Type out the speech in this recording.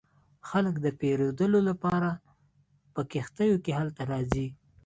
خلک د پیرودلو لپاره په کښتیو کې هلته راځي